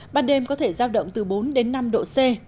ban đêm có thể giao động từ bốn đến năm độ c